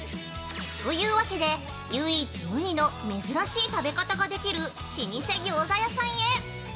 ◆というわけで唯一無二の珍しい食べ方ができる老舗餃子屋さんへ。